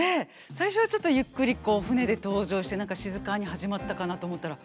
最初はちょっとゆっくり舟で登場して何か静かに始まったかなと思ったら。